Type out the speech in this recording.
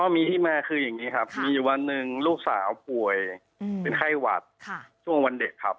มีที่มาคืออย่างนี้ครับมีอยู่วันหนึ่งลูกสาวป่วยเป็นไข้หวัดช่วงวันเด็กครับ